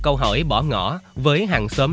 câu hỏi bỏ ngỏ với hàng xóm